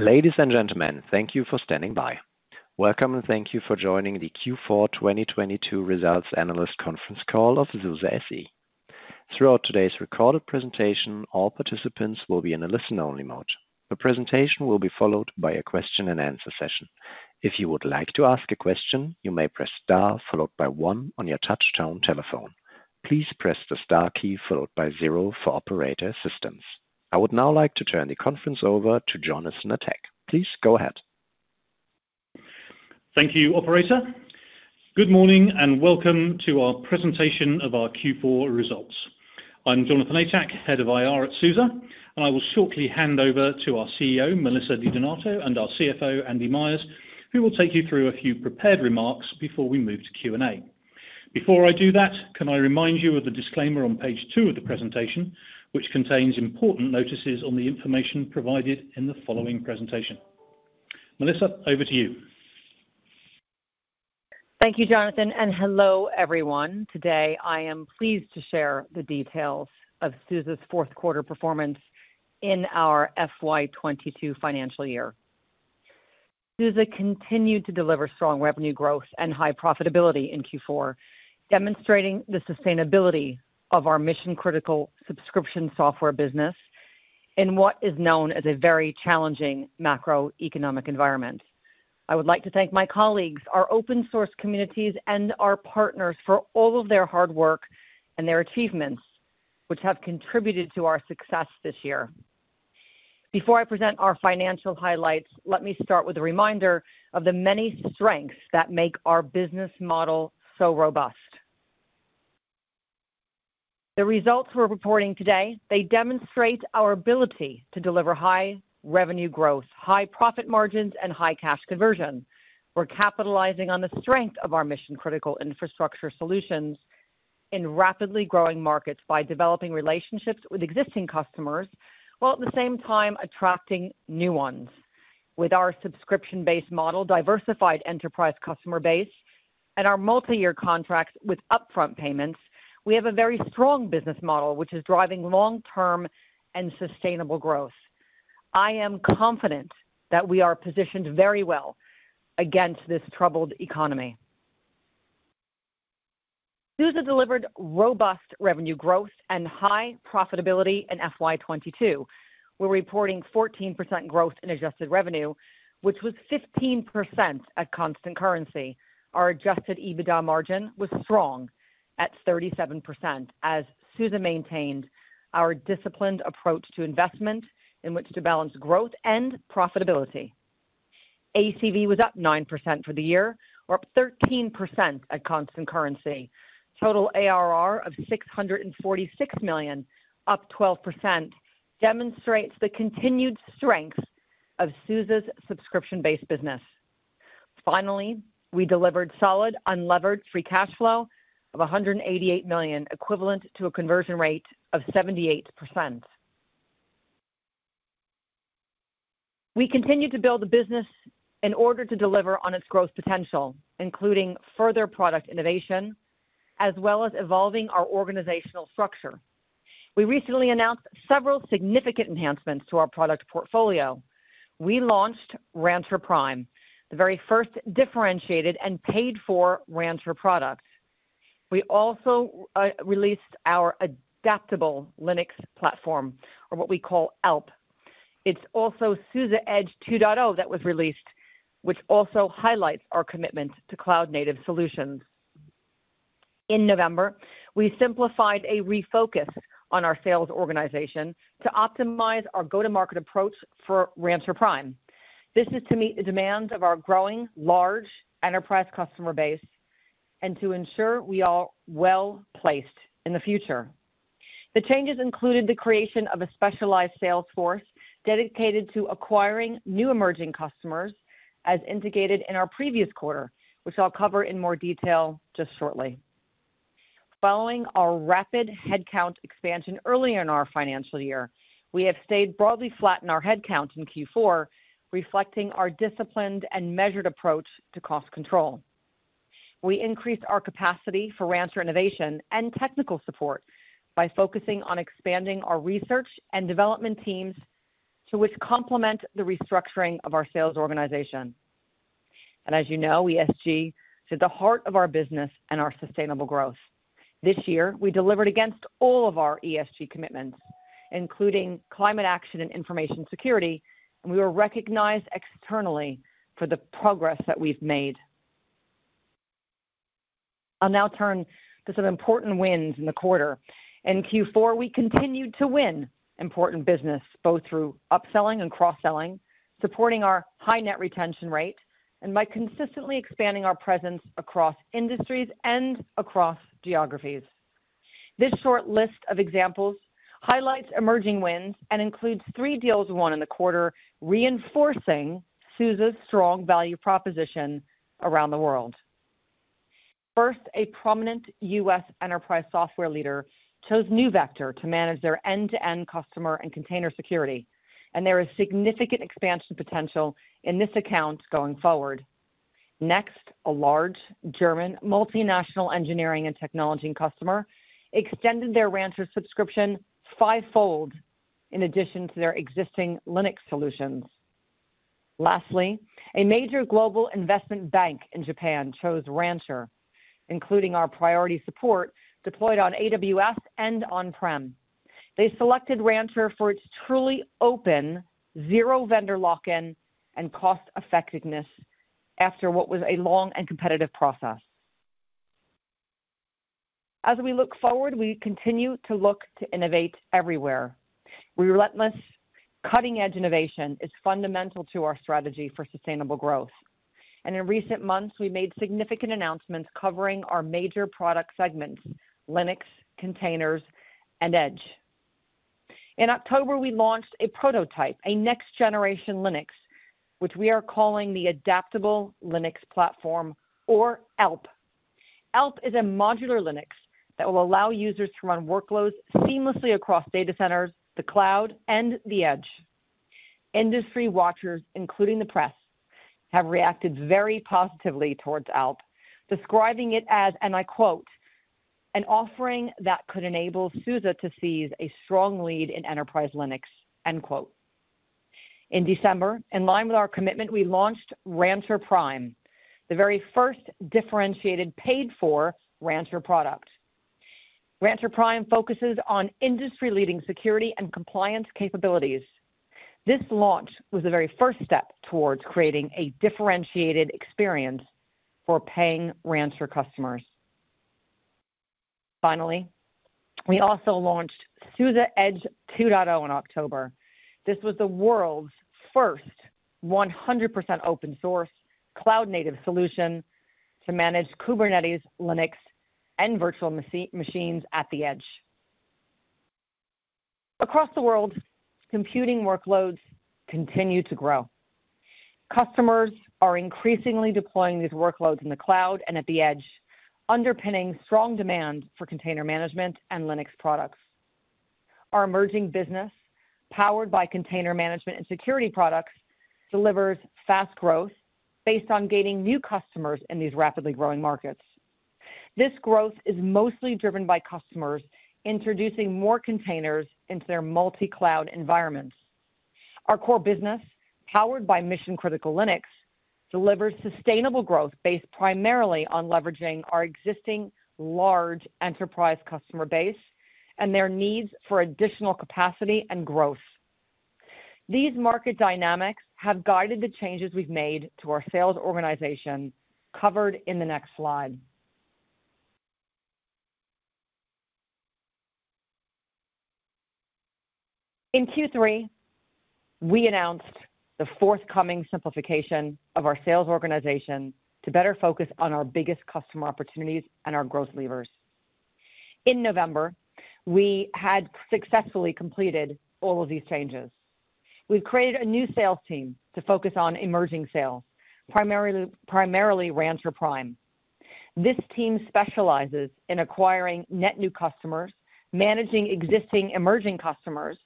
Ladies and gentlemen, thank you for standing by. Welcome. Thank you for joining the Q4 2022 results analyst conference call of SUSE SE. Throughout today's recorded presentation, all participants will be in a listen-only mode. The presentation will be followed by a question and answer session. If you would like to ask a question, you may press star followed by one on your touchtone telephone. Please press the star key followed by zero for operator assistance. I would now like to turn the conference over to Jonathan Atack. Please go ahead. Thank you, operator. Good morning and welcome to our presentation of our Q4 results. I'm Jonathan Atack, Head of I.R. at SUSE, and I will shortly hand over to our CEO, Melissa DiDonato, and our CFO, Andy Myers, who will take you through a few prepared remarks before we move to Q&A. Before I do that, can I remind you of the disclaimer on page two of the presentation, which contains important notices on the information provided in the following presentation. Melissa, over to you. Thank you, Jonathan. Hello, everyone. Today, I am pleased to share the details of SUSE's Q4 performance in our FY 2022 financial year. SUSE continued to deliver strong revenue growth and high profitability in Q4, demonstrating the sustainability of our mission-critical subscription software business in what is known as a very challenging macroeconomic environment. I would like to thank my colleagues, our open source communities, and our partners for all of their hard work and their achievements, which have contributed to our success this year. Before I present our financial highlights, let me start with a reminder of the many strengths that make our business model so robust. The results we're reporting today, they demonstrate our ability to deliver high revenue growth, high profit margins, and high cash conversion. We're capitalizing on the strength of our mission-critical infrastructure solutions in rapidly growing markets by developing relationships with existing customers while at the same time attracting new ones. With our subscription-based model, diversified enterprise customer base, and our multi-year contracts with upfront payments, we have a very strong business model which is driving long-term and sustainable growth. I am confident that we are positioned very well against this troubled economy. SUSE delivered robust revenue growth and high profitability in FY 2022. We're reporting 14% growth in adjusted revenue, which was 15% at constant currency. Our adjusted EBITDA margin was strong at 37% as SUSE maintained our disciplined approach to investment in which to balance growth and profitability. ACV was up 9% for the year, or up 13% at constant currency. Total ARR of $646 million, up 12%, demonstrates the continued strength of SUSE's subscription-based business. We delivered solid unlevered free cash flow of $188 million, equivalent to a conversion rate of 78%. We continue to build the business in order to deliver on its growth potential, including further product innovation as well as evolving our organizational structure. We recently announced several significant enhancements to our product portfolio. We launched Rancher Prime, the very first differentiated and paid for Rancher product. We also released our Adaptable Linux Platform, or what we call ALP. It's also SUSE Edge 2.0 that was released, which also highlights our commitment to cloud-native solutions. In November, we simplified a refocus on our sales organization to optimize our go-to-market approach for Rancher Prime. This is to meet the demands of our growing large enterprise customer base and to ensure we are well-placed in the future. The changes included the creation of a specialized sales force dedicated to acquiring new emerging customers, as indicated in our previous quarter, which I'll cover in more detail just shortly. Following our rapid headcount expansion early in our financial year, we have stayed broadly flat in our headcount in Q4, reflecting our disciplined and measured approach to cost control. We increased our capacity for Rancher innovation and technical support by focusing on expanding our research and development teams which complement the restructuring of our sales organization. As you know, ESG is at the heart of our business and our sustainable growth. This year, we delivered against all of our ESG commitments, including climate action and information security. We were recognized externally for the progress that we've made. In Q4, we continued to win important business, both through upselling and cross-selling, supporting our high net retention rate. By consistently expanding our presence across industries and across geographies. This short list of examples highlights emerging wins and includes three deals won in the quarter, reinforcing SUSE's strong value proposition around the world. First, a prominent U.S. enterprise software leader chose NeuVector to manage their end-to-end customer and container security. There is significant expansion potential in this account going forward. Next, a large German multinational engineering and technology customer extended their Rancher subscription fivefold in addition to their existing Linux solutions. Lastly, a major global investment bank in Japan chose Rancher, including our priority support deployed on AWS and on-prem. They selected Rancher for its truly open zero vendor lock-in and cost effectiveness after what was a long and competitive process. We look forward, we continue to look to innovate everywhere. We relentless cutting-edge innovation is fundamental to our strategy for sustainable growth. In recent months, we made significant announcements covering our major product segments, Linux, containers, and Edge. In October, we launched a prototype, a next generation Linux, which we are calling the Adaptable Linux Platform or ALP. ALP is a modular Linux that will allow users to run workloads seamlessly across data centers, the cloud, and the edge. Industry watchers, including the press, have reacted very positively towards ALP, describing it as, and I quote, "An offering that could enable SUSE to seize a strong lead in enterprise Linux." End quote. In December, in line with our commitment, we launched Rancher Prime, the very first differentiated paid for Rancher product. Rancher Prime focuses on industry-leading security and compliance capabilities. This launch was the very first step towards creating a differentiated experience for paying Rancher customers. We also launched SUSE Edge 2.0 in October. This was the world's first 100% open source cloud native solution to manage Kubernetes, Linux, and virtual machines at the edge. Across the world, computing workloads continue to grow. Customers are increasingly deploying these workloads in the cloud and at the edge, underpinning strong demand for container management and Linux products. Our emerging business, powered by container management and security products, delivers fast growth based on gaining new customers in these rapidly growing markets. This growth is mostly driven by customers introducing more containers into their multi-cloud environments. Our core business, powered by mission-critical Linux, delivers sustainable growth based primarily on leveraging our existing large enterprise customer base and their needs for additional capacity and growth. These market dynamics have guided the changes we've made to our sales organization covered in the next slide. In Q3, we announced the forthcoming simplification of our sales organization to better focus on our biggest customer opportunities and our growth levers. In November, we had successfully completed all of these changes. We've created a new sales team to focus on emerging sales, primarily Rancher Prime. This team specializes in acquiring net new customers, managing existing emerging customers,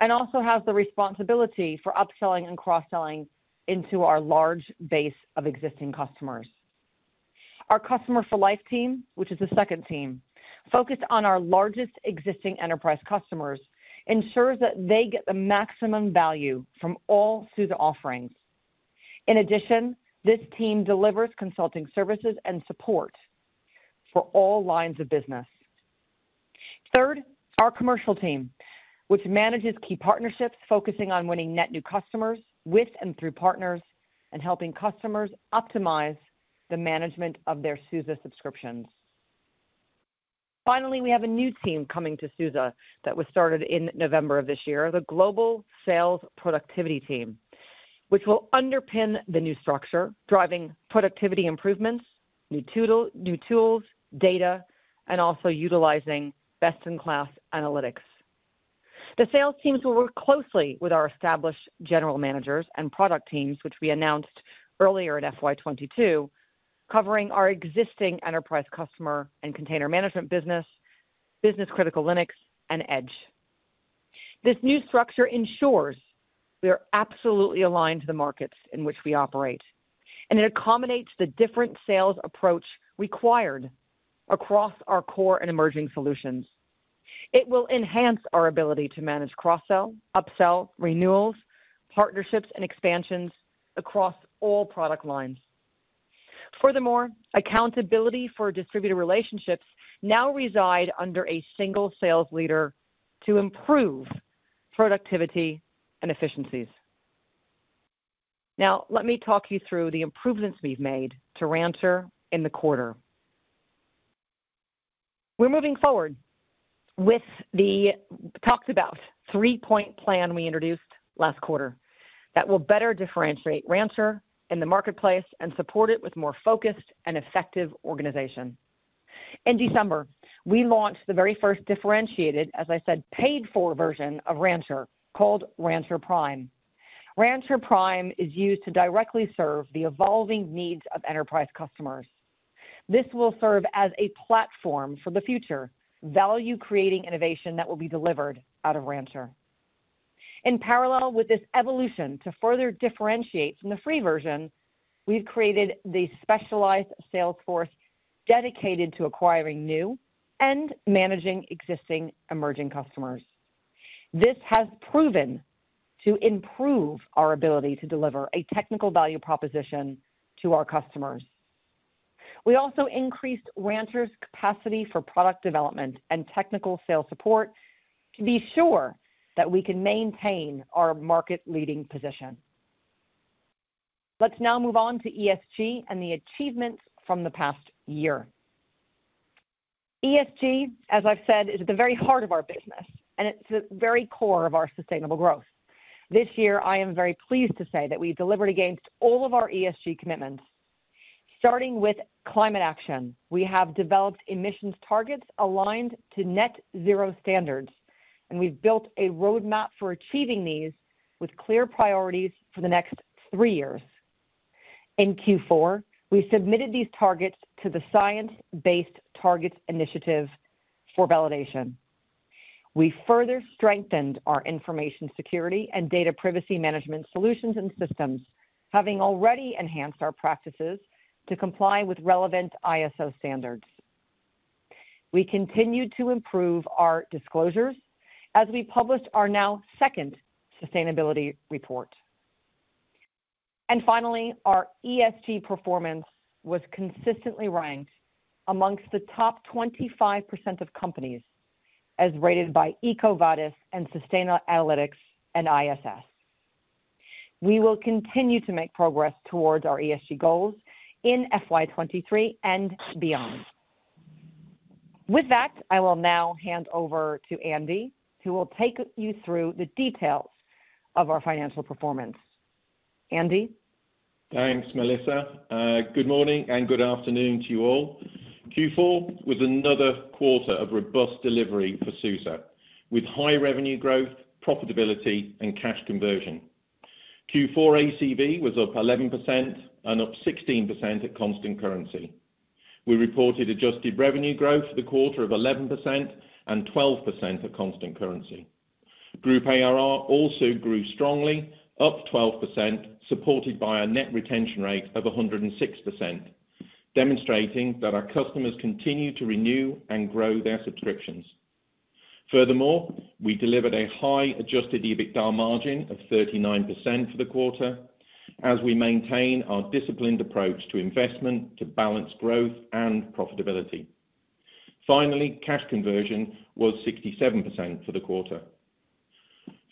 and also has the responsibility for upselling and cross-selling into our large base of existing customers. Our Customer for Life team, which is the second team, focused on our largest existing enterprise customers, ensures that they get the maximum value from all SUSE offerings. In addition, this team delivers consulting services and support for all lines of business. Third, our commercial team, which manages key partnerships, focusing on winning net new customers with and through partners, and helping customers optimize the management of their SUSE subscriptions. Finally, we have a new team coming to SUSE that was started in November of this year, the Global Sales Productivity team, which will underpin the new structure, driving productivity improvements, new tools, data, and also utilizing best-in-class analytics. The sales teams will work closely with our established general managers and product teams, which we announced earlier at FY 2022, covering our existing enterprise customer and container management business-critical Linux, and Edge. This new structure ensures we are absolutely aligned to the markets in which we operate, and it accommodates the different sales approach required across our core and emerging solutions. It will enhance our ability to manage cross-sell, upsell, renewals, partnerships, and expansions across all product lines. Furthermore, accountability for distributor relationships now reside under a single sales leader to improve productivity and efficiencies. Now, let me talk you through the improvements we've made to Rancher in the quarter. We're moving forward with the talked about three-point plan we introduced last quarter that will better differentiate Rancher in the marketplace and support it with more focused and effective organization. In December, we launched the very first differentiated, as I said, paid for version of Rancher called Rancher Prime. Rancher Prime is used to directly serve the evolving needs of enterprise customers. This will serve as a platform for the future value-creating innovation that will be delivered out of Rancher. In parallel with this evolution to further differentiate from the free version, we've created the specialized sales force dedicated to acquiring new and managing existing emerging customers. This has proven to improve our ability to deliver a technical value proposition to our customers. We also increased Rancher's capacity for product development and technical sales support to be sure that we can maintain our market-leading position. Let's now move on to ESG and the achievements from the past year. ESG, as I've said, is at the very heart of our business, and it's the very core of our sustainable growth. This year, I am very pleased to say that we delivered against all of our ESG commitments. Starting with climate action, we have developed emissions targets aligned to net zero standards, and we've built a roadmap for achieving these with clear priorities for the next three years. In Q4, we submitted these targets to the Science Based Targets initiative for validation. We further strengthened our information security and data privacy management solutions and systems, having already enhanced our practices to comply with relevant ISO standards. We continued to improve our disclosures as we published our now second sustainability report. Finally, our ESG performance was consistently ranked amongst the top 25% of companies as rated by EcoVadis and Sustainalytics, and ISS. We will continue to make progress towards our ESG goals in FY 2023 and beyond. With that, I will now hand over to Andy, who will take you through the details of our financial performance. Andy? Thanks, Melissa. Good morning and good afternoon to you all. Q4 was another quarter of robust delivery for SUSE, with high revenue growth, profitability, and cash conversion. Q4 ACV was up 11% and up 16% at constant currency. We reported adjusted revenue growth for the quarter of 11% and 12% at constant currency. Group ARR also grew strongly, up 12%, supported by a net retention rate of 106%, demonstrating that our customers continue to renew and grow their subscriptions. Furthermore, we delivered a high adjusted EBITDA margin of 39% for the quarter as we maintain our disciplined approach to investment to balance growth and profitability. Finally, cash conversion was 67% for the quarter.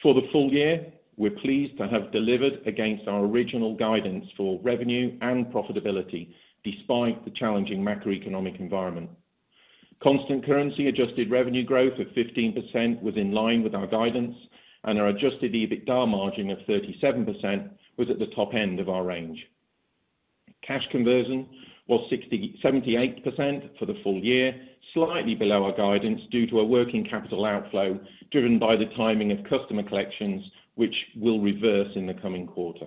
For the full year, we're pleased to have delivered against our original guidance for revenue and profitability despite the challenging macroeconomic environment. Constant currency adjusted revenue growth of 15% was in line with our guidance, and our adjusted EBITDA margin of 37% was at the top end of our range. Cash conversion was 78% for the full year, slightly below our guidance due to a working capital outflow driven by the timing of customer collections, which will reverse in the coming quarter.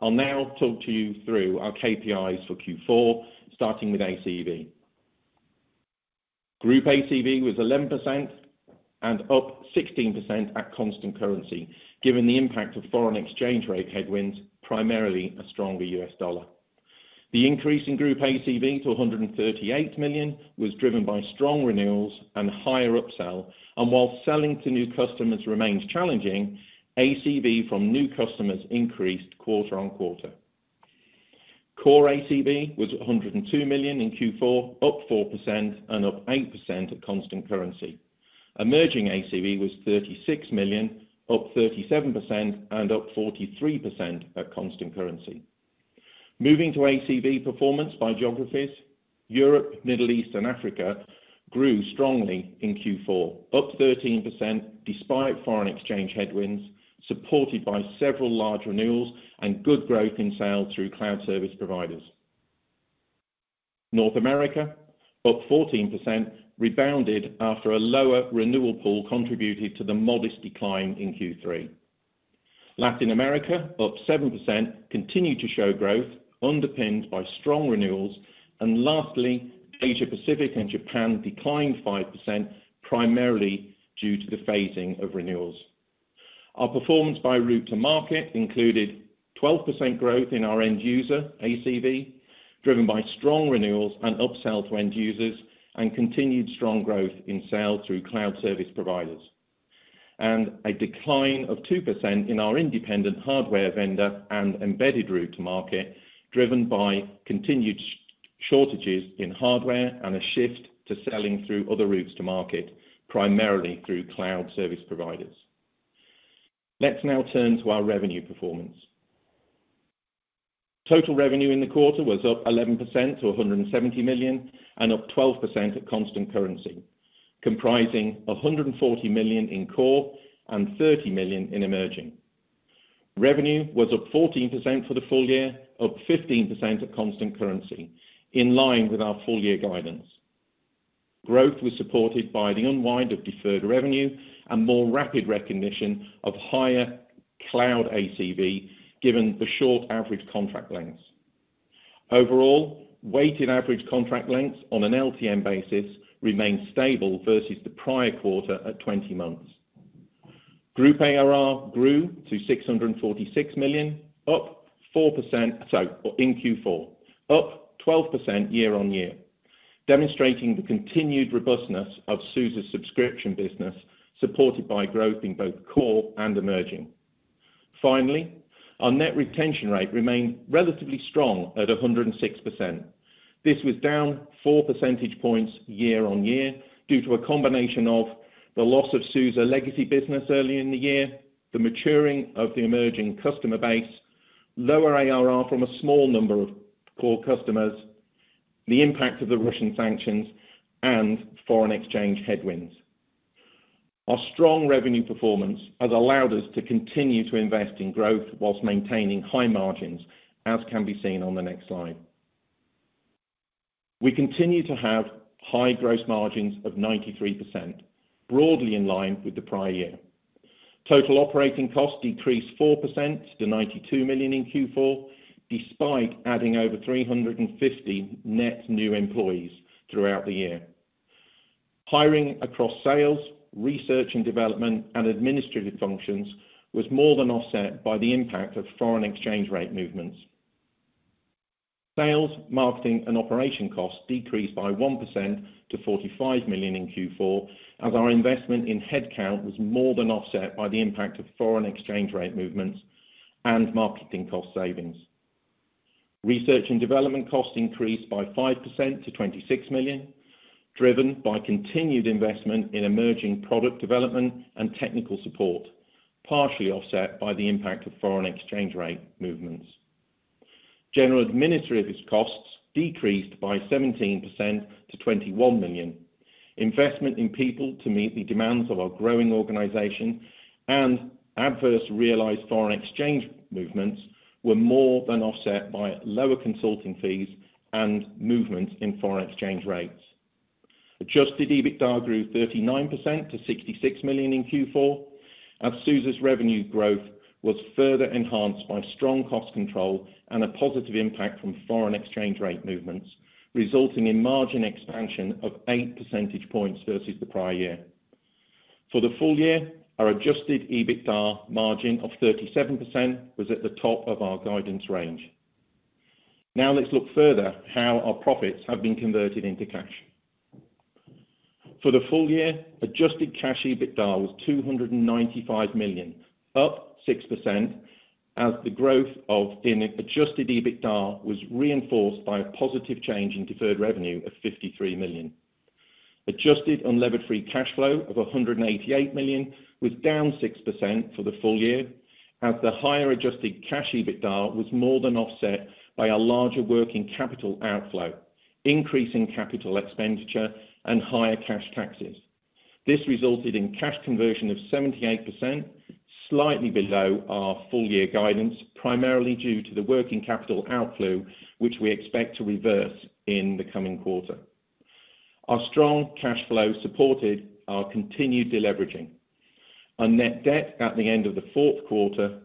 I'll now talk to you through our KPIs for Q4, starting with ACV. Group ACV was 11% and up 16% at constant currency, given the impact of foreign exchange rate headwinds, primarily a stronger US dollar. The increase in Group ACV to $138 million was driven by strong renewals and higher upsell. While selling to new customers remains challenging, ACV from new customers increased quarter-on-quarter. Core ACV was $102 million in Q4, up 4% and up 8% at constant currency. Emerging ACV was $36 million, up 37% and up 43% at constant currency. Moving to ACV performance by geographies, Europe, Middle East, and Africa grew strongly in Q4, up 13% despite foreign exchange headwinds, supported by several large renewals and good growth in sales through cloud service providers. North America, up 14% rebounded after a lower renewal pool contributed to the modest decline in Q3. Latin America, up 7%, continued to show growth underpinned by strong renewals. Lastly, Asia-Pacific and Japan declined 5%, primarily due to the phasing of renewals. Our performance by route to market included 12% growth in our end user ACV, driven by strong renewals and upsell to end users, continued strong growth in sales through Cloud Service Providers. A decline of 2% in our Independent Hardware Vendor and embedded route to market, driven by continued shortages in hardware and a shift to selling through other routes to market, primarily through Cloud Service Providers. Let's now turn to our revenue performance. Total revenue in the quarter was up 11% to $170 million and up 12% at constant currency, comprising $140 million in core and $30 million in emerging. Revenue was up 14% for the full year, up 15% at constant currency, in line with our full-year guidance. Growth was supported by the unwind of deferred revenue and more rapid recognition of higher cloud ACV, given the short average contract lengths. Overall, weighted average contract lengths on an LTM basis remained stable versus the prior quarter at 20 months. Group ARR grew to $646 million, up 4%. In Q4, up 12% year-over-year, demonstrating the continued robustness of SUSE's subscription business, supported by growth in both core and emerging. Finally, our net retention rate remained relatively strong at 106%. This was down four percentage points year-over-year due to a combination of the loss of SUSE legacy business early in the year, the maturing of the emerging customer base, lower ARR from a small number of core customers, the impact of the Russian sanctions, and foreign exchange headwinds. Our strong revenue performance has allowed us to continue to invest in growth while maintaining high margins, as can be seen on the next slide. We continue to have high gross margins of 93%, broadly in line with the prior year. Total operating costs decreased 4% to $92 million in Q4, despite adding over 350 net new employees throughout the year. Hiring across sales, research and development, and administrative functions was more than offset by the impact of foreign exchange rate movements. Sales, marketing, and operation costs decreased by 1% to $45 million in Q4 as our investment in headcount was more than offset by the impact of foreign exchange rate movements and marketing cost savings. Research and development costs increased by 5% to $26 million, driven by continued investment in emerging product development and technical support, partially offset by the impact of foreign exchange rate movements. General and administrative costs decreased by 17% to $21 million. Investment in people to meet the demands of our growing organization and adverse realized foreign exchange movements were more than offset by lower consulting fees and movements in foreign exchange rates. Adjusted EBITDA grew 39% to $66 million in Q four as SUSE's revenue growth was further enhanced by strong cost control and a positive impact from foreign exchange rate movements, resulting in margin expansion of eight percentage points versus the prior year. For the full year, our adjusted EBITDA margin of 37% was at the top of our guidance range. Now let's look further how our profits have been converted into cash. For the full year, adjusted cash EBITDA was $295 million, up 6% as the growth in adjusted EBITDA was reinforced by a positive change in deferred revenue of $53 million. Adjusted unlevered free cash flow of $188 million was down 6% for the full year as the higher adjusted cash EBITDA was more than offset by a larger working capital outflow, increase in capital expenditure, and higher cash taxes. This resulted in cash conversion of 78%, slightly below our full year guidance, primarily due to the working capital outflow, which we expect to reverse in the coming quarter. Our strong cash flow supported our continued deleveraging. Our net debt at the end of the Q4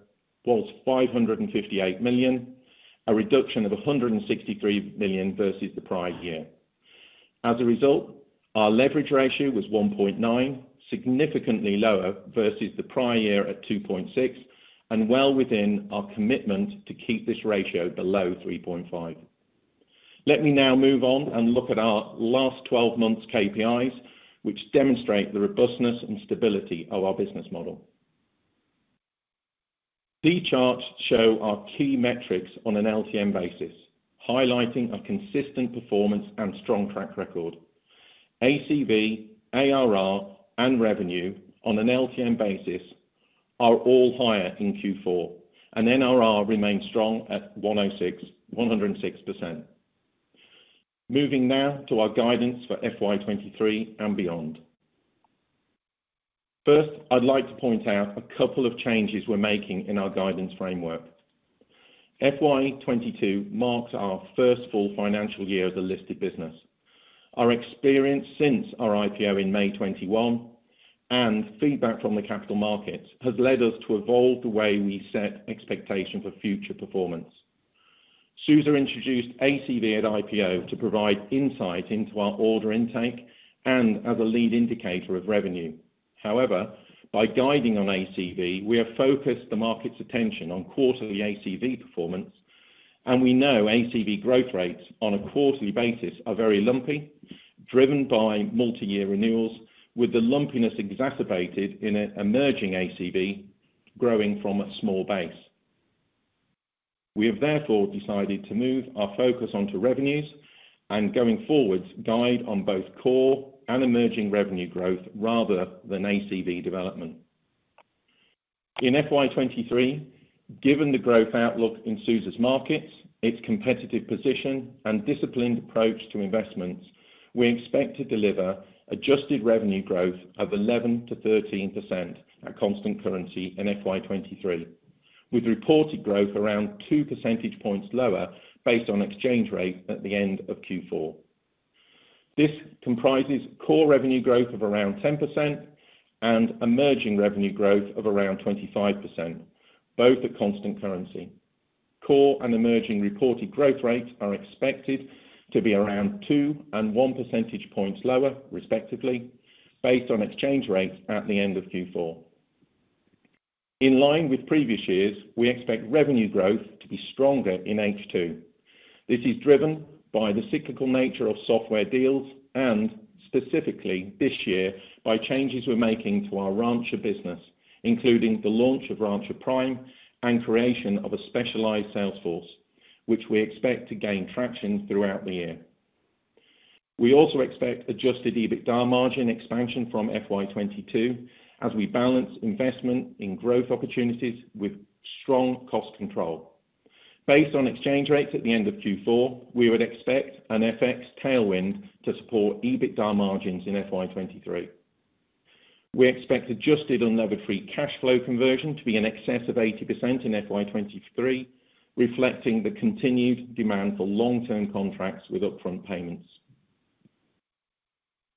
was $558 million, a reduction of $163 million versus the prior year. As a result, our leverage ratio was 1.9, significantly lower versus the prior year at 2.6, and well within our commitment to keep this ratio below 3.5. Let me now move on and look at our last 12 months KPIs which demonstrate the robustness and stability of our business model. These charts show our key metrics on an LTM basis, highlighting a consistent performance and strong track record. ACV, ARR, and revenue on an LTM basis are all higher in Q4, and NRR remains strong at 106%. Moving now to our guidance for FY 2023 and beyond. First, I'd like to point out a couple of changes we're making in our guidance framework. FY 2022 marks our first full financial year as a listed business. Our experience since our IPO in May 21 and feedback from the capital markets has led us to evolve the way we set expectations for future performance. SUSE introduced ACV at IPO to provide insight into our order intake and as a lead indicator of revenue. By guiding on ACV, we have focused the market's attention on quarterly ACV performance, and we know ACV growth rates on a quarterly basis are very lumpy, driven by multiyear renewals, with the lumpiness exacerbated in an emerging ACV growing from a small base. We have therefore decided to move our focus onto revenues and going forwards guide on both core and emerging revenue growth rather than ACV development. In FY 2023, given the growth outlook in SUSE's markets, its competitive position, and disciplined approach to investments, we expect to deliver adjusted revenue growth of 11%-13% at constant currency in FY 2023, with reported growth around two percentage points lower based on exchange rate at the end of Q4. This comprises core revenue growth of around 10% and emerging revenue growth of around 25%, both at constant currency. Core and emerging reported growth rates are expected to be around two and one percentage points lower, respectively, based on exchange rates at the end of Q4. In line with previous years, we expect revenue growth to be stronger in H2. This is driven by the cyclical nature of software deals and specifically this year by changes we're making to our Rancher business, including the launch of Rancher Prime and creation of a specialized sales force, which we expect to gain traction throughout the year. We also expect adjusted EBITDA margin expansion from FY 2022 as we balance investment in growth opportunities with strong cost control. Based on exchange rates at the end of Q4, we would expect an FX tailwind to support EBITDA margins in FY 2023. We expect adjusted unlevered free cash flow conversion to be in excess of 80% in FY 2023, reflecting the continued demand for long-term contracts with upfront payments.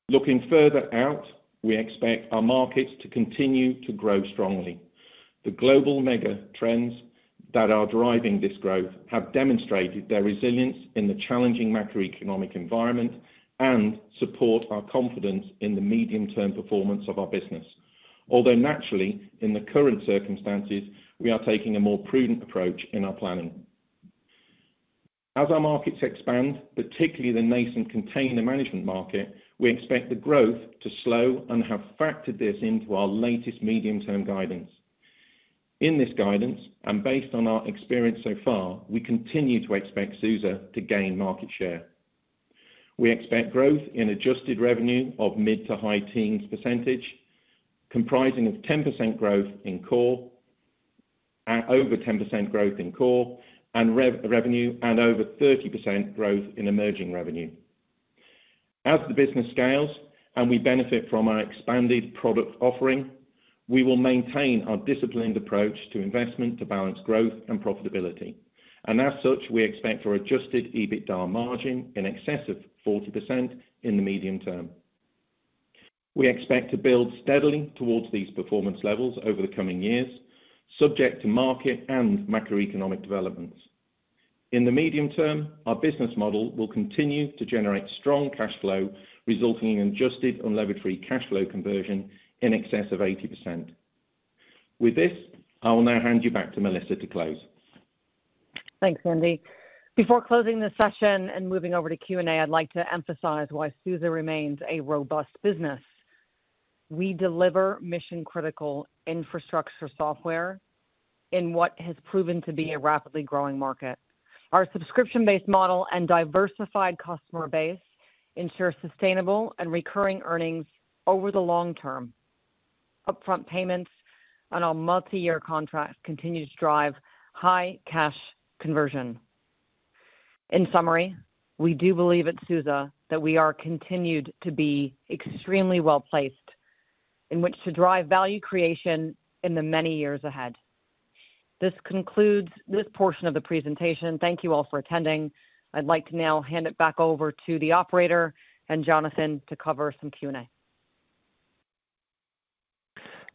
Looking further out, we expect our markets to continue to grow strongly. The global mega trends that are driving this growth have demonstrated their resilience in the challenging macroeconomic environment and support our confidence in the medium-term performance of our business. Naturally, in the current circumstances, we are taking a more prudent approach in our planning. As our markets expand, particularly the nascent container management market, we expect the growth to slow and have factored this into our latest medium-term guidance. In this guidance, based on our experience so far, we continue to expect SUSE to gain market share. We expect growth in adjusted revenue of mid to high teens%, comprising of over 10% growth in core and revenue, and over 30% growth in emerging revenue. As the business scales and we benefit from our expanded product offering, we will maintain our disciplined approach to investment to balance growth and profitability. As such, we expect our adjusted EBITDA margin in excess of 40% in the medium term. We expect to build steadily towards these performance levels over the coming years, subject to market and macroeconomic developments. In the medium term, our business model will continue to generate strong cash flow, resulting in adjusted unlevered free cash flow conversion in excess of 80%. This, I will now hand you back to Melissa to close. Thanks, Andy. Before closing the session and moving over to Q&A, I'd like to emphasize why SUSE remains a robust business. We deliver mission-critical infrastructure software in what has proven to be a rapidly growing market. Our subscription-based model and diversified customer base ensure sustainable and recurring earnings over the long term. Upfront payments on our multi-year contracts continue to drive high cash conversion. In summary, we do believe at SUSE that we are continued to be extremely well-placed in which to drive value creation in the many years ahead. This concludes this portion of the presentation. Thank you all for attending. I'd like to now hand it back over to the operator and Jonathan to cover some Q&A.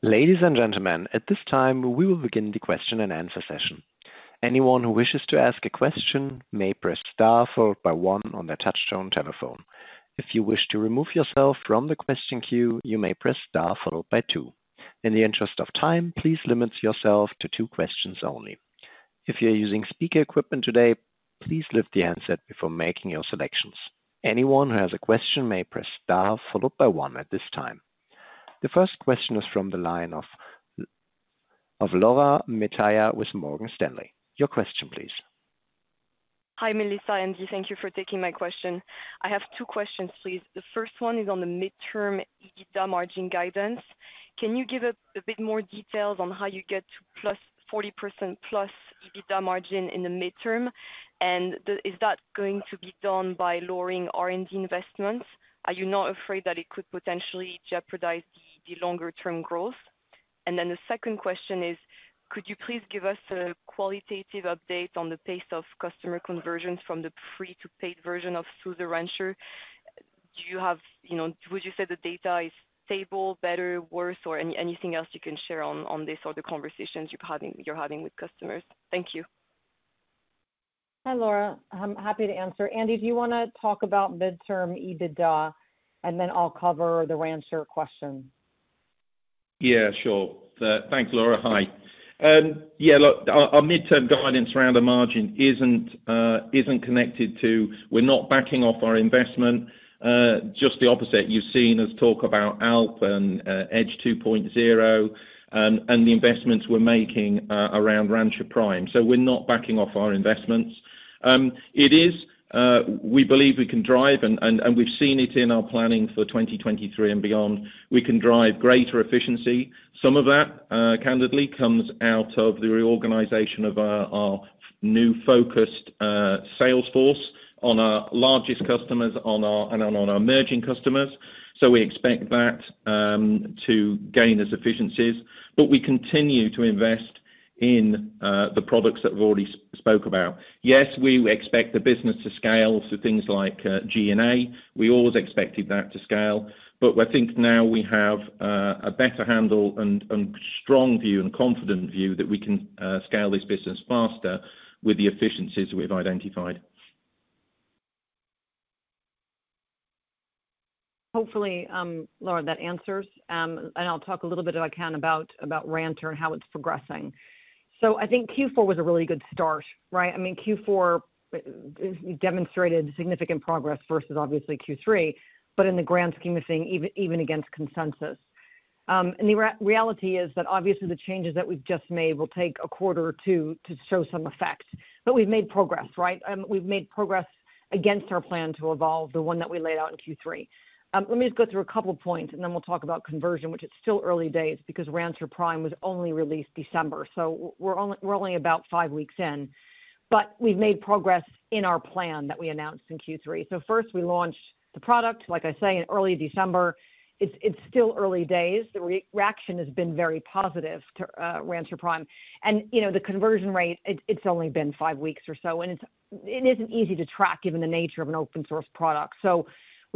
Ladies and gentlemen, at this time, we will begin the question and answer session. Anyone who wishes to ask a question may press star followed by one on their touchtone telephone. If you wish to remove yourself from the question queue, you may press star followed by two. In the interest of time, please limit yourself to two questions only. If you're using speaker equipment today, please lift the handset before making your selections. Anyone who has a question may press star followed by one at this time. The first question is from the line of Laura Metayer with Morgan Stanley. Your question, please. Hi, Melissa and Andy. Thank you for taking my question. I have two questions, please. The first one is on the midterm EBITDA margin guidance. Can you give a bit more details on how you get to 40%+ EBITDA margin in the midterm? Is that going to be done by lowering R&D investments? Are you not afraid that it could potentially jeopardize the longer term growth? The second question is, could you please give us a qualitative update on the pace of customer conversions from the free to paid version of SUSE Rancher? You know, would you say the data is stable, better, worse, or anything else you can share on this or the conversations you're having with customers? Thank you. Hi, Laura. I'm happy to answer. Andy, do you wanna talk about midterm EBITDA, and then I'll cover the Rancher question? Sure. Thanks, Laura. Hi. Look, our midterm guidance around the margin isn't connected to... We're not backing off our investment. Just the opposite. You've seen us talk about ALP and Edge 2.0 and the investments we're making around Rancher Prime. We're not backing off our investments. It is, we believe we can drive and we've seen it in our planning for 2023 and beyond. We can drive greater efficiency. Some of that candidly comes out of the reorganization of our new focused sales force. On our largest customers, on our, and on our emerging customers. We expect that to gain those efficiencies. We continue to invest in the products that we've already spoke about. Yes, we expect the business to scale to things like SG&A. We always expected that to scale. I think now we have a better handle and strong view and confident view that we can scale this business faster with the efficiencies we've identified. Hopefully, Laura, that answers. I'll talk a little bit, if I can, about Rancher and how it's progressing. I think Q4 was a really good start, right? I mean, Q4 demonstrated significant progress versus obviously Q3, but in the grand scheme of things, even against consensus. The reality is that obviously the changes that we've just made will take a quarter or two to show some effect. We've made progress, right? We've made progress against our plan to evolve the one that we laid out in Q3. Let me just go through a couple of points and then we'll talk about conversion, which it's still early days because Rancher Prime was only released December. We're only about five weeks in. We've made progress in our plan that we announced in Q3. First, we launched the product, like I say, in early December. It's still early days. The re-reaction has been very positive to Rancher Prime. You know, the conversion rate, it's only been five weeks or so, and it isn't easy to track given the nature of an open source product.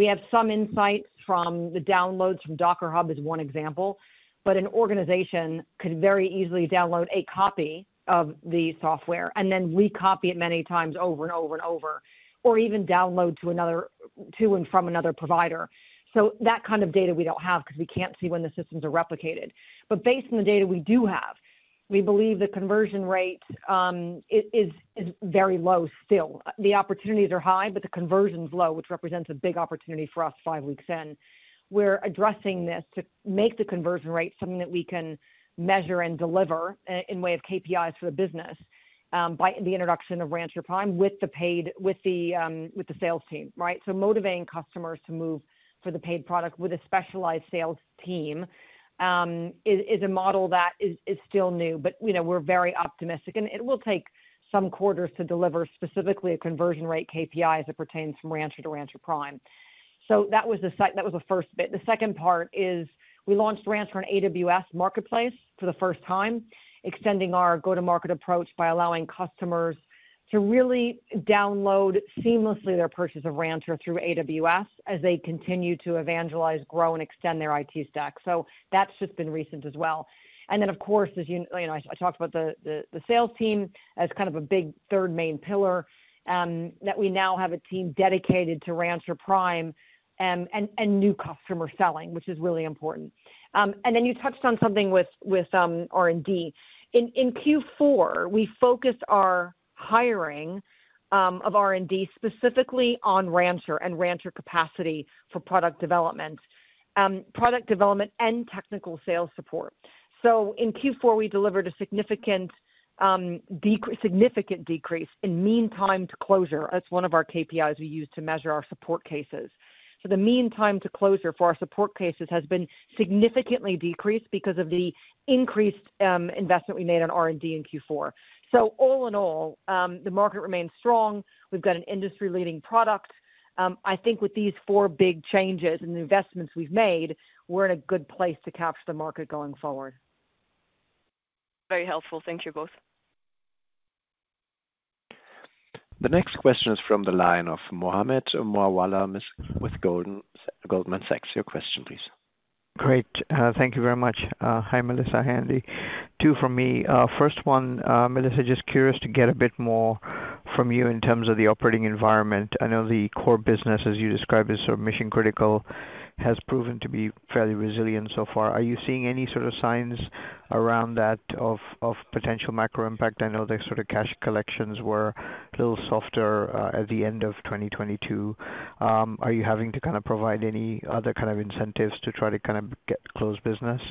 We have some insights from the downloads from Docker Hub as one example. An organization could very easily download a copy of the software and then recopy it many times over and over and over, or even download to another, to and from another provider. That kind of data we don't have because we can't see when the systems are replicated. Based on the data we do have, we believe the conversion rate is very low still. The opportunities are high, but the conversion's low, which represents a big opportunity for us five weeks in. We're addressing this to make the conversion rate something that we can measure and deliver in way of KPIs for the business, by the introduction of Rancher Prime with the paid, with the sales team, right? Motivating customers to move for the paid product with a specialized sales team, is a model that is still new, but, you know, we're very optimistic. It will take some quarters to deliver specifically a conversion rate KPI as it pertains from Rancher to Rancher Prime. That was the first bit. The second part is we launched Rancher on AWS Marketplace for the first time, extending our go-to-market approach by allowing customers to really download seamlessly their purchase of Rancher through AWS as they continue to evangelize, grow, and extend their IT stack. That's just been recent as well. Of course, as you know, I talked about the sales team as kind of a big third main pillar, that we now have a team dedicated to Rancher Prime and new customer selling, which is really important. You touched on something with R&D. In Q4, we focused our hiring of R&D specifically on Rancher and Rancher capacity for product development. Product development and technical sales support. In Q4, we delivered a significant decrease in mean time to closure. That's one of our KPIs we use to measure our support cases. The mean time to closure for our support cases has been significantly decreased because of the increased investment we made on R&D in Q4. All in all, the market remains strong. We've got an industry-leading product. I think with these four big changes and the investments we've made, we're in a good place to capture the market going forward. Very helpful. Thank you both. The next question is from the line of Mohammed Moawalla with Goldman Sachs. Your question, please. Great. Thank you very much. Hi, Melissa, Andy. Two from me. First one, Melissa, just curious to get a bit more from you in terms of the operating environment. I know the core business, as you described it, so mission-critical, has proven to be fairly resilient so far. Are you seeing any sort of signs around that of potential macro impact? I know the sort of cash collections were a little softer, at the end of 2022. Are you having to kind of provide any other kind of incentives to try to kind of get close business?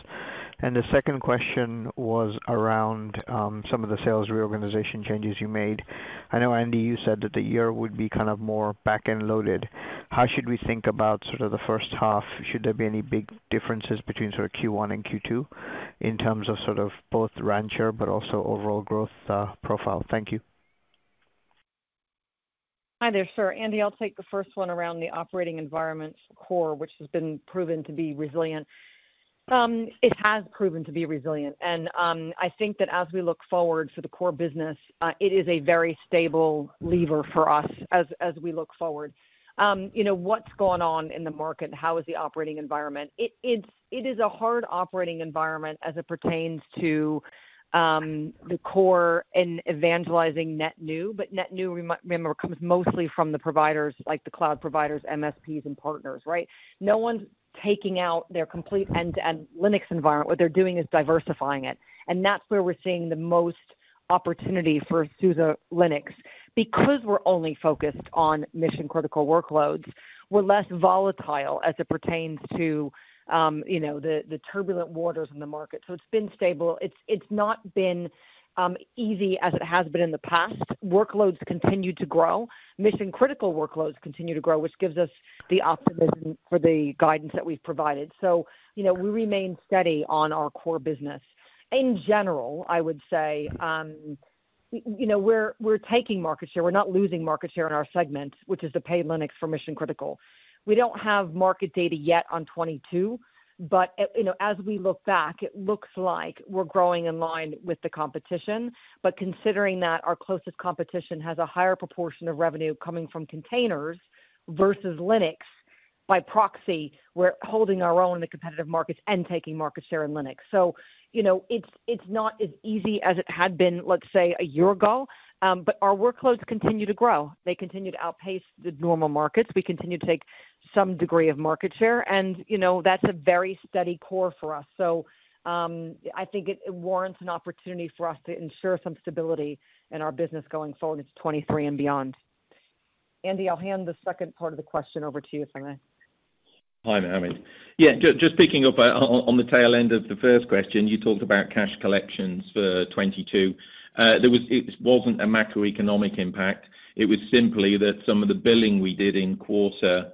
The second question was around some of the sales reorganization changes you made. I know, Andy, you said that the year would be kind of more back-end loaded. How should we think about sort of the first half? Should there be any big differences between sort of Q1 and Q2 in terms of sort of both Rancher but also overall growth, profile? Thank you. Hi there, sir. Andy, I'll take the first one around the operating environment core, which has been proven to be resilient. It has proven to be resilient. I think that as we look forward for the core business, it is a very stable lever for us as we look forward. You know, what's going on in the market? How is the operating environment? It is a hard operating environment as it pertains to the core and evangelizing net new. Net new remember, comes mostly from the providers like the cloud providers, MSPs, and partners, right? No one's taking out their complete end-to-end Linux environment. What they're doing is diversifying it. That's where we're seeing the most opportunity for SUSE Linux. We're only focused on mission-critical workloads, we're less volatile as it pertains to, you know, the turbulent waters in the market. It's been stable. It's not been easy as it has been in the past. Workloads continue to grow. Mission-critical workloads continue to grow, which gives us the optimism for the guidance that we've provided. You know, we remain steady on our core business. In general, I would say, you know, we're taking market share. We're not losing market share in our segment, which is the paid Linux for mission-critical. We don't have market data yet on 22, but, you know, as we look back, it looks like we're growing in line with the competition. Considering that our closest competition has a higher proportion of revenue coming from containers versus Linux, by proxy, we're holding our own in the competitive markets and taking market share in Linux. You know, it's not as easy as it had been, let's say, a year ago, but our workloads continue to grow. They continue to outpace the normal markets. We continue to take some degree of market share, and, you know, that's a very steady core for us. I think it warrants an opportunity for us to ensure some stability in our business going forward into 2023 and beyond. Andy, I'll hand the second part of the question over to you if I may. Hi, Mohammed. Just picking up on the tail end of the first question. You talked about cash collections for 2022. It wasn't a macroeconomic impact, it was simply that some of the billing we did in Q4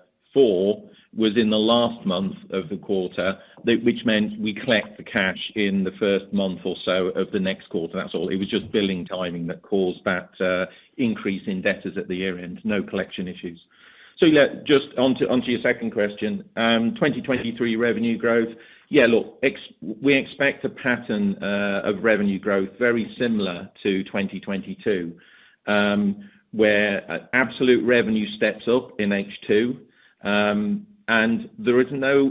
was in the last month of the quarter, which meant we collect the cash in the first month or so of the next quarter. That's all. It was just billing timing that caused that increase in debtors at the year-end. No collection issues. Just onto your second question, 2023 revenue growth. We expect a pattern of revenue growth very similar to 2022, where absolute revenue steps up in H2.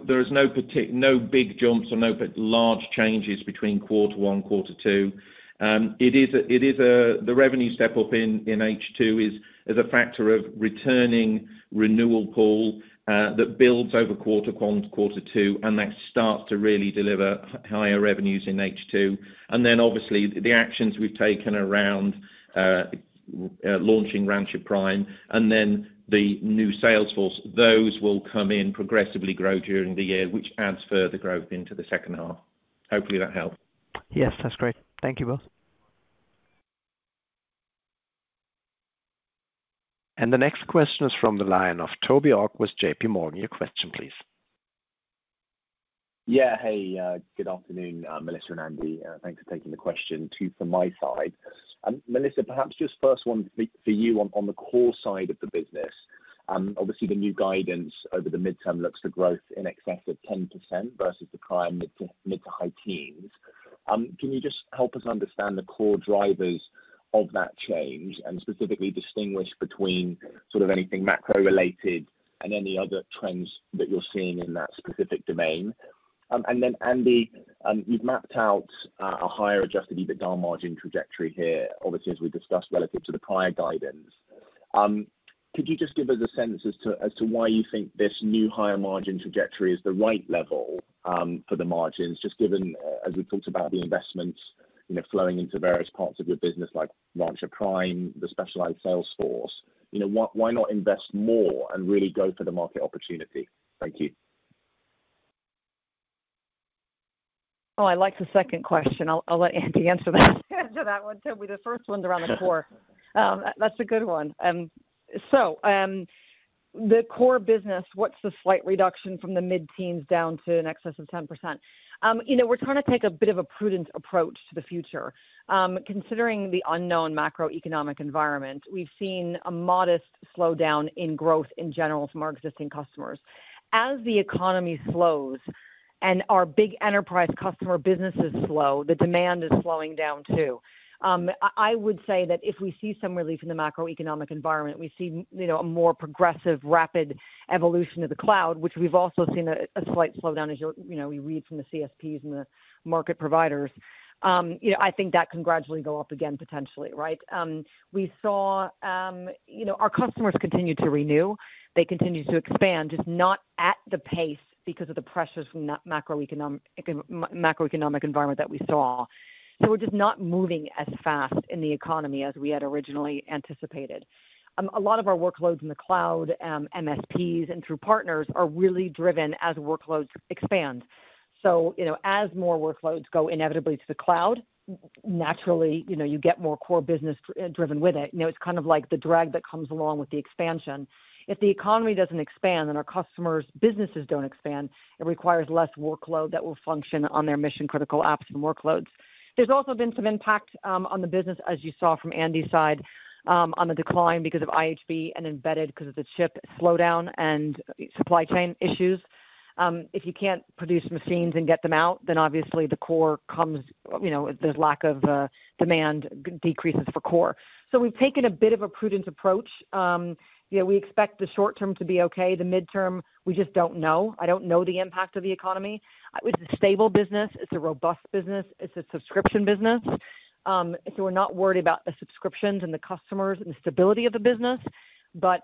There is no big jumps or large changes between Q1, Q2. The revenue step up in H2 is a factor of returning renewal pull that builds over quarter one to quarter two, and that starts to really deliver higher revenues in H2. Obviously the actions we've taken around launching Rancher Prime and then the new sales force, those will come in progressively grow during the year, which adds further growth into the second half. Hopefully that helps. Yes, that's great. Thank you both. The next question is from the line of Toby Ogg with J.P. Morgan. Your question, please. Hey, good afternoon, Melissa and Andy. Thanks for taking the question. Two from my side. Melissa, perhaps just first one for you on the core side of the business. Obviously, the new guidance over the midterm looks for growth in excess of 10% versus the prior mid to high teens. Can you just help us understand the core drivers of that change and specifically distinguish between sort of anything macro-related and any other trends that you're seeing in that specific domain? Then Andy, you've mapped out a higher adjusted EBITDA margin trajectory here, obviously, as we discussed relative to the prior guidance. Could you just give us a sense as to, as to why you think this new higher margin trajectory is the right level for the margins, just given, as we talked about the investments, you know, flowing into various parts of your business like Rancher Prime, the specialized sales force? You know why not invest more and really go for the market opportunity? Thank you. I like the second question. I'll let Andy answer that one, Toby. The first one's around the core. That's a good one. The core business, what's the slight reduction from the mid-teens down to in excess of 10%? You know, we're trying to take a bit of a prudent approach to the future. Considering the unknown macroeconomic environment, we've seen a modest slowdown in growth in general from our existing customers. As the economy slows and our big enterprise customer businesses slow, the demand is slowing down too. I would say that if we see some relief in the macroeconomic environment, we see, you know, a more progressive, rapid evolution of the cloud, which we've also seen a slight slowdown as you know, we read from the CSPs and the market providers. You know, I think that can gradually go up again, potentially, right? we saw, you know, our customers continue to renew. They continue to expand, just not at the pace because of the pressures from macroeconomic environment that we saw. We're just not moving as fast in the economy as we had originally anticipated. A lot of our workloads in the cloud, MSPs and through partners are really driven as workloads expand. you know, as more workloads go inevitably to the cloud, naturally, you know, you get more core business driven with it. You know, it's kind of like the drag that comes along with the expansion. If the economy doesn't expand and our customers' businesses don't expand, it requires less workload that will function on their mission-critical apps and workloads. There's also been some impact on the business, as you saw from Andy's side, on the decline because of IHV and embedded because of the chip slowdown and supply chain issues. If you can't produce machines and get them out, then obviously the core comes, you know, there's lack of demand decreases for core. We've taken a bit of a prudent approach. You know, we expect the short term to be okay. The midterm, we just don't know. I don't know the impact of the economy. It's a stable business. It's a robust business. It's a subscription business. We're not worried about the subscriptions and the customers and the stability of the business.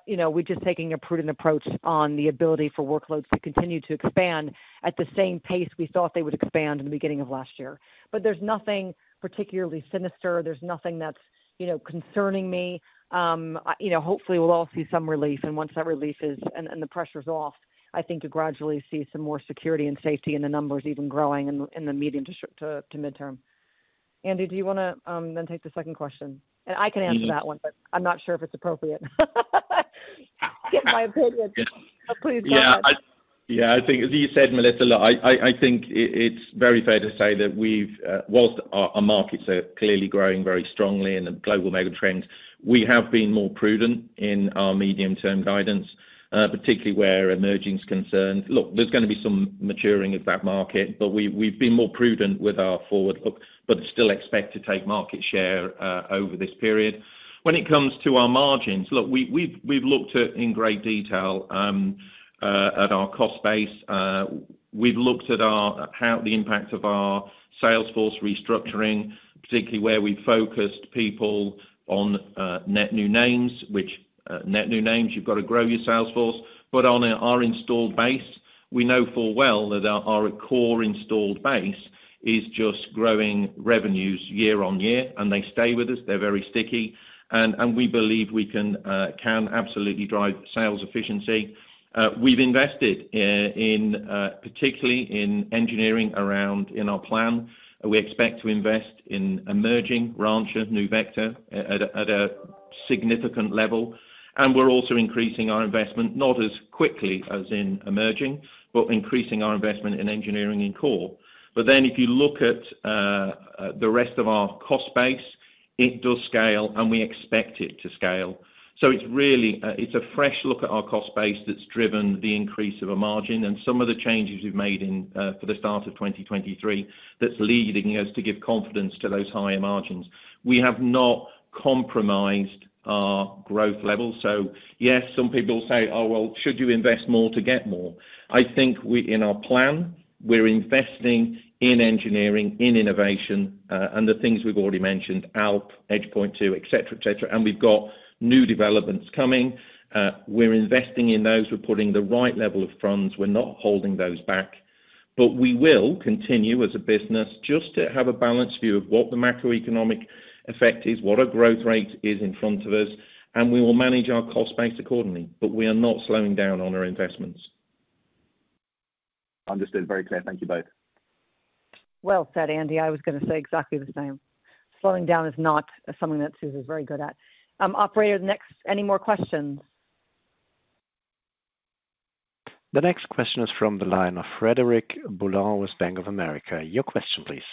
You know, we're just taking a prudent approach on the ability for workloads to continue to expand at the same pace we thought they would expand in the beginning of last year. There's nothing particularly sinister. There's nothing that's, you know, concerning me. You know, hopefully we'll all see some relief. Once that relief is... and the pressure's off, I think to gradually see some more security and safety in the numbers even growing in the, in the medium to midterm. Andy, do you wanna then take the second question? I can answer that one, but I'm not sure if it's appropriate. Get my opinion. Please go on. Yeah, I think as you said, Melissa, I think it's very fair to say that we've whilst our markets are clearly growing very strongly in the global mega trends, we have been more prudent in our medium-term guidance particularly where emerging is concerned. Look, there's gonna be some maturing of that market, but we've been more prudent with our forward look, but still expect to take market share over this period. When it comes to our margins, look, we've looked at in great detail at our cost base. We've looked at how the impact of our sales force restructuring, particularly where we focused people on net new names, which net new names, you've got to grow your sales force. On our installed base, we know full well that our core installed base is just growing revenues year on year, and they stay with us. They're very sticky. We believe we can absolutely drive sales efficiency. We've invested in particularly in engineering around in our plan. We expect to invest in emerging Rancher, NeuVector at a significant level. We're also increasing our investment, not as quickly as in emerging, but increasing our investment in engineering in core. If you look at the rest of our cost base, it does scale, and we expect it to scale. It's really, it's a fresh look at our cost base that's driven the increase of a margin and some of the changes we've made in for the start of 2023 that's leading us to give confidence to those higher margins. We have not compromised our growth levels. Yes, some people say, "Oh, well, should you invest more to get more?" I think we, in our plan, we're investing in engineering, in innovation, and the things we've already mentioned, ALP, Edge 2.0, et cetera, et cetera. We've got new developments coming. We're investing in those. We're putting the right level of funds. We're not holding those back. We will continue as a business just to have a balanced view of what the macroeconomic effect is, what our growth rate is in front of us, and we will manage our cost base accordingly. We are not slowing down on our investments. Understood. Very clear. Thank you both. Well said, Andy. I was gonna say exactly the same. Slowing down is not something that SUSE is very good at. Operator, next. Any more questions? The next question is from the line of Frederic Boulanger with Bank of America. Your question, please.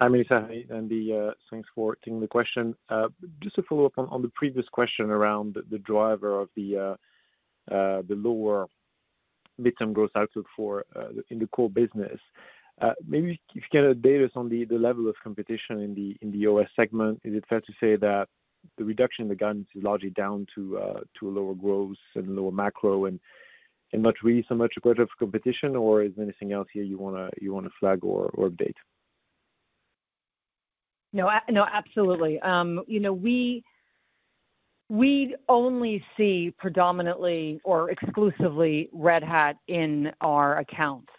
Hi, Melissa. Hi, Andy. Thanks for taking the question. Just to follow up on the previous question around the driver of the lower midterm growth outlook for in the core business. Maybe if you can update us on the level of competition in the OS segment. Is it fair to say that the reduction in the guidance is largely down to a lower growth and lower macro and not really so much a part of competition? Is there anything else here you wanna flag or update? No, absolutely. you know, we only see predominantly or exclusively Red Hat in our accounts.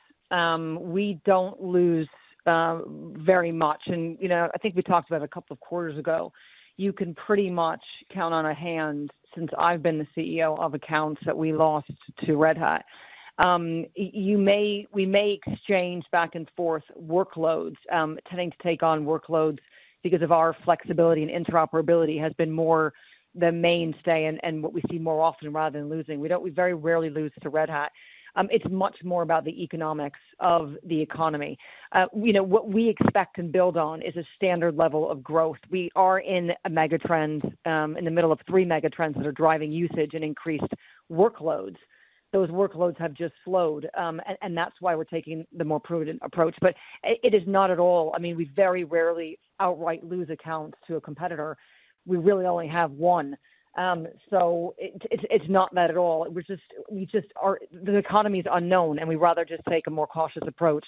we don't lose very much. you know, I think we talked about a couple of quarters ago, you can pretty much count on a hand since I've been the CEO of accounts that we lost to Red Hat. you may, we may exchange back and forth workloads, tending to take on workloads because of our flexibility and interoperability has been more the mainstay and what we see more often rather than losing. We don't, we very rarely lose to Red Hat. it's much more about the economics of the economy. you know, what we expect and build on is a standard level of growth. We are in a mega trend, in the middle of three mega trends that are driving usage and increased workloads. Those workloads have just slowed, and that's why we're taking the more prudent approach. It, it is not at all. I mean, we very rarely outright lose accounts to a competitor. We really only have one. It, it's not that at all. We're just, we just are. The economy is unknown, and we rather just take a more cautious approach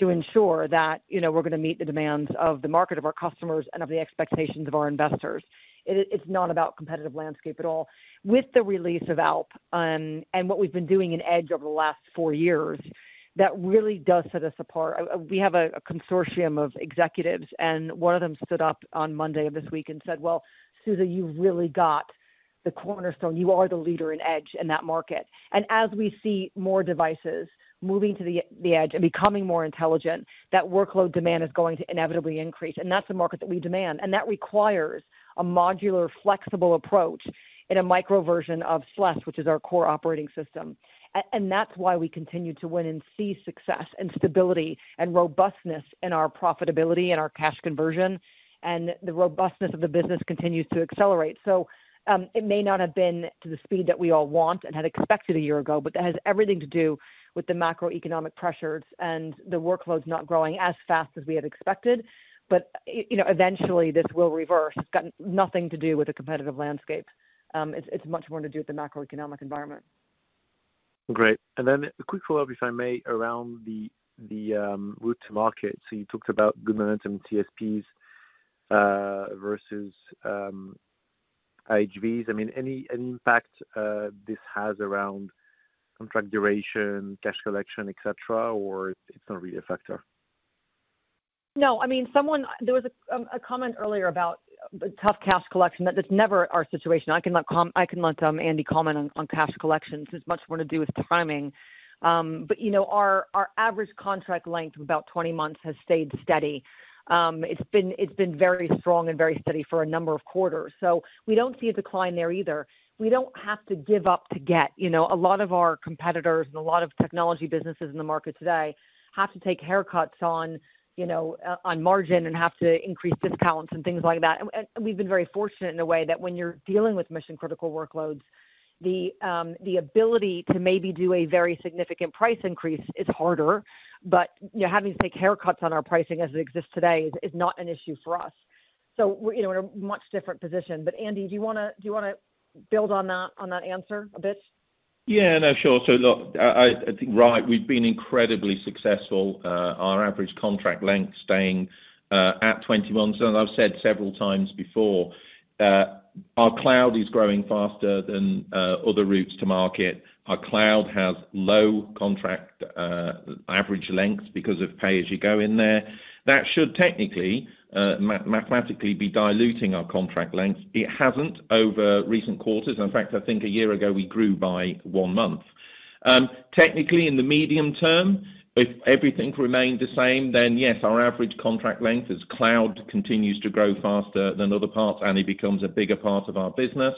to ensure that, you know, we're gonna meet the demands of the market, of our customers, and of the expectations of our investors. It is, it's not about competitive landscape at all. With the release of ALP, and what we've been doing in Edge over the last four years, that really does set us apart. We have a consortium of executives, one of them stood up on Monday of this week and said, "Well, SUSE, you've really got the cornerstone. You are the leader in Edge in that market." As we see more devices moving to the Edge and becoming more intelligent, that workload demand is going to inevitably increase, and that's the market that we demand. That requires a modular, flexible approach in a micro version of SLES, which is our core operating system. That's why we continue to win and see success and stability and robustness in our profitability and our cash conversion, and the robustness of the business continues to accelerate. It may not have been to the speed that we all want and had expected a year ago, but that has everything to do with the macroeconomic pressures and the workloads not growing as fast as we had expected. You know, eventually this will reverse. It's got nothing to do with the competitive landscape. It's, it's much more to do with the macroeconomic environment. Great. Then a quick follow-up, if I may, around the route to market. You talked about good momentum, TSPs, versus IHVs. I mean, any impact this has around contract duration, cash collection, et cetera, or it's not really a factor? No, I mean, there was a comment earlier about the tough cash collection, that that's never our situation. I can let Andy comment on cash collections. It's much more to do with timing. You know, our average contract length of about 20 months has stayed steady. It's been very strong and very steady for a number of quarters. We don't see a decline there either. We don't have to give up to get. You know, a lot of our competitors and a lot of technology businesses in the market today have to take haircuts on, you know, on margin and have to increase discounts and things like that. We've been very fortunate in a way that when you're dealing with mission-critical workloads, the ability to maybe do a very significant price increase is harder. You know, having to take haircuts on our pricing as it exists today is not an issue for us. We're, you know, in a much different position. Andy, do you wanna build on that, on that answer a bit? Yeah. No, sure. Look, I think, right, we've been incredibly successful, our average contract length staying at 20 months. I've said several times before that our cloud is growing faster than other routes to market. Our cloud has low contract, average lengths because of pay-as-you-go in there. That should technically, mathematically be diluting our contract length. It hasn't over recent quarters. In fact, I think a year ago, we grew by one month. Technically, in the medium term, if everything remained the same, then yes, our average contract length as cloud continues to grow faster than other parts, and it becomes a bigger part of our business,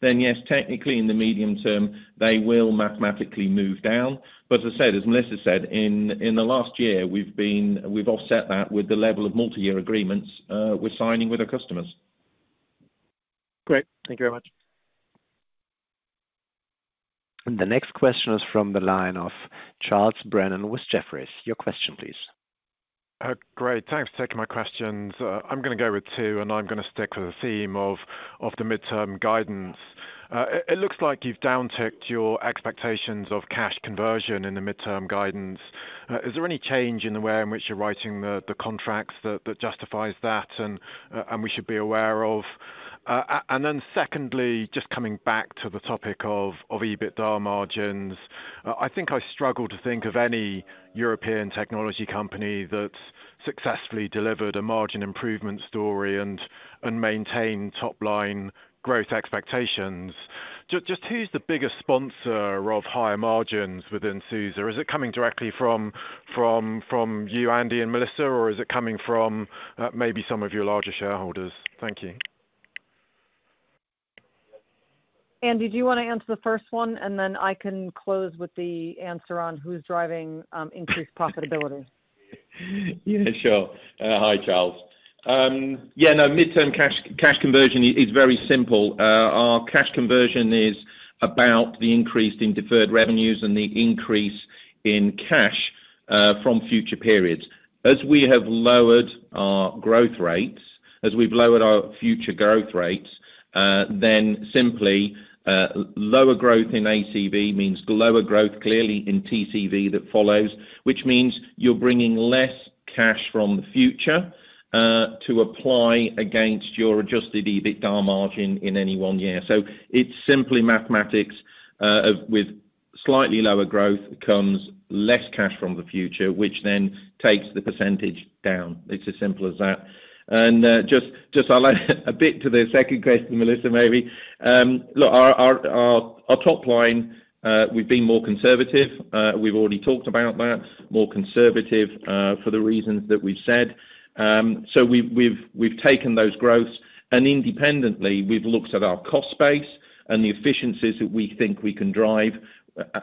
then yes, technically in the medium term, they will mathematically move down. As I said, as Melissa said, in the last year, we've offset that with the level of multi-year agreements, we're signing with our customers. Great. Thank you very much. The next question is from the line of Charles Brennan with Jefferies. Your question, please. Great. Thanks for taking my questions. I'm gonna go with two, and I'm gonna stick with the theme of the midterm guidance. It looks like you've downticked your expectations of cash conversion in the midterm guidance. Is there any change in the way in which you're writing the contracts that justifies that and we should be aware of? Then secondly, just coming back to the topic of EBITDA margins. I think I struggle to think of any European technology company that's successfully delivered a margin improvement story and maintained top line growth expectations. Just who's the biggest sponsor of higher margins within SUSE? Is it coming directly from you, Andy and Melissa, or is it coming from maybe some of your larger shareholders? Thank you. Andy, do you wanna answer the first one, and then I can close with the answer on who's driving, increased profitability. Yeah, sure. Hi, Charles. Yeah, no, midterm cash conversion is very simple. Our cash conversion is about the increase in deferred revenues and the increase in cash from future periods. As we have lowered our growth rates, as we've lowered our future growth rates, simply lower growth in ACV means lower growth, clearly in TCV that follows, which means you're bringing less cash from the future to apply against your adjusted EBITDA margin in any one year. It's simply mathematics of with slightly lower growth comes less cash from the future, which then takes the % down. It's as simple as that. Just I'll add a bit to the second question, Melissa, maybe. Look, our top line, we've been more conservative. We've already talked about that. More conservative for the reasons that we've said. We've taken those growths, and independently, we've looked at our cost base and the efficiencies that we think we can drive,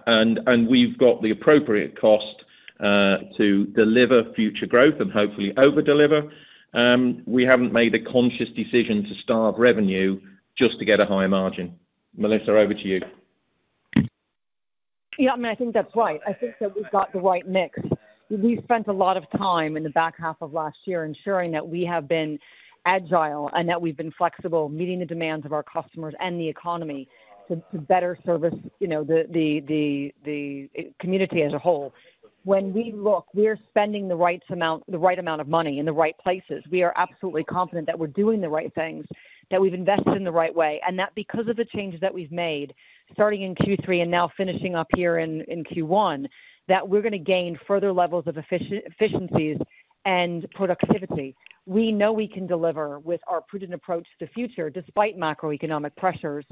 and we've got the appropriate cost to deliver future growth and hopefully over-deliver. We haven't made a conscious decision to starve revenue just to get a higher margin. Melissa, over to you. Yeah, I mean, I think that's right. I think that we've got the right mix. We've spent a lot of time in the back half of last year ensuring that we have been agile and that we've been flexible, meeting the demands of our customers and the economy to better service, you know, the community as a whole. When we look, we're spending the right amount of money in the right places. We are absolutely confident that we're doing the right things, that we've invested in the right way, and that because of the changes that we've made, starting in Q3 and now finishing up here in Q1, that we're gonna gain further levels of efficiencies and productivity. We know we can deliver with our prudent approach to the future, despite macroeconomic pressures,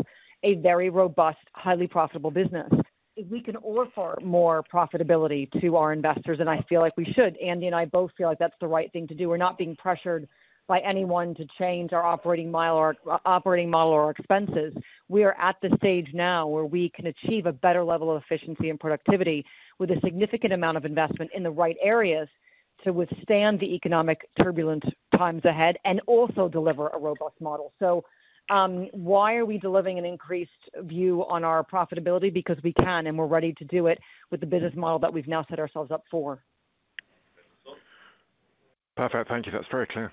a very robust, highly profitable business. If we can offer more profitability to our investors, and I feel like we should, Andy and I both feel like that's the right thing to do. We're not being pressured by anyone to change our operating model or our expenses. We are at the stage now where we can achieve a better level of efficiency and productivity with a significant amount of investment in the right areas to withstand the economic turbulent times ahead and also deliver a robust model. Why are we delivering an increased view on our profitability? Because we can, and we're ready to do it with the business model that we've now set ourselves up for. Perfect. Thank you. That's very clear.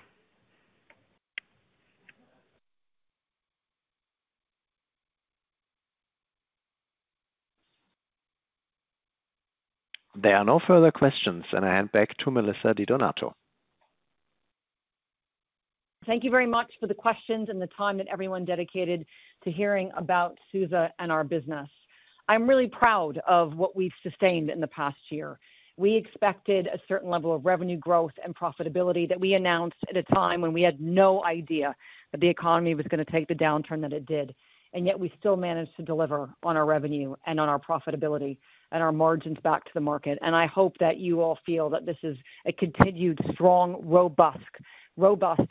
There are no further questions, and I hand back to Melissa Di Donato. Thank you very much for the questions and the time that everyone dedicated to hearing about SUSE and our business. I'm really proud of what we've sustained in the past year. We expected a certain level of revenue growth and profitability that we announced at a time when we had no idea that the economy was gonna take the downturn that it did, and yet we still managed to deliver on our revenue and on our profitability and our margins back to the market. I hope that you all feel that this is a continued, strong, robust,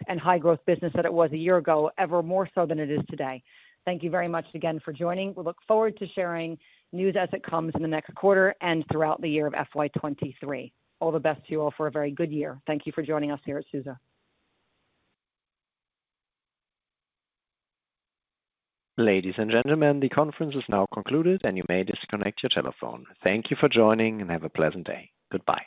and high-growth business that it was a year ago, ever more so than it is today. Thank you very much again for joining. We look forward to sharing news as it comes in the next quarter and throughout the year of FY 2023. All the best to you all for a very good year. Thank you for joining us here at SUSE. Ladies and gentlemen, the conference is now concluded, and you may disconnect your telephone. Thank you for joining, and have a pleasant day. Goodbye.